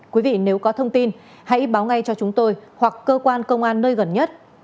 quý vị nếu có thông tin hãy báo ngay cho chúng tôi hoặc cơ quan công an nơi gần nhất